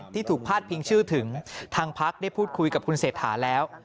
ที่ถูกพลาดพิงชื่อถึงทางพลังเฮียร์ไทยได้พูดคุยกับคุณเสธาแล้ว